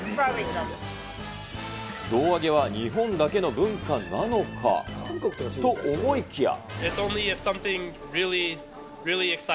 胴上げは日本だけの文化なのか、と思いきや。